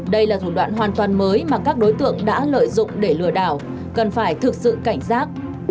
đây là thủ đoạn hoàn toàn mới mà các đối tượng đã lợi dụng để lừa đảo cần phải thực sự cảnh giác